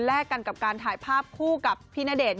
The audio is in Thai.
กันกับการถ่ายภาพคู่กับพี่ณเดชน